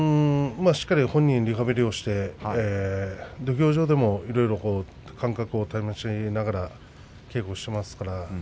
まあ、しっかり本人はリハビリをして土俵上でもいろいろ感覚を試しながら稽古しています。